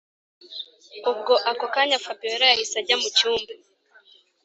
ubwo ako kanya fabiora yahise ajya mucyumba